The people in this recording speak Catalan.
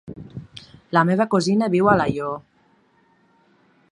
La meva cosina viu a Alaior.